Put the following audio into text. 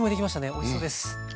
おいしそうです！